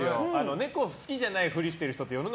猫、好きじゃないふりしてる人っているよね！